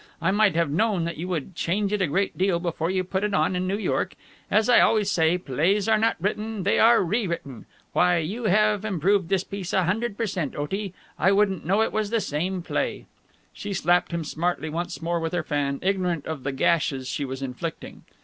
I might have known that you would change it a great deal before you put it on in New York. As I always say, plays are not written, they are rewritten! Why, you have improved this piece a hundred per cent, Otie! I wouldn't know it was the same play!" She slapped him smartly once more with her fan, ignorant of the gashes she was inflicting.